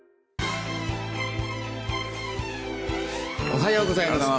おはようございます。